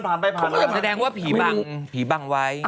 เขาจะแสดงว่าผีบังไว้